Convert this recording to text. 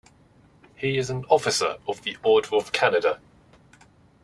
He is an Officer of the Order of Canada.